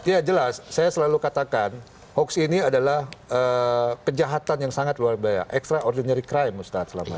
ya jelas saya selalu katakan hoax ini adalah kejahatan yang sangat luar biaya extraordinary crime ustaz selamat